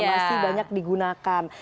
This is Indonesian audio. masih banyak digunakan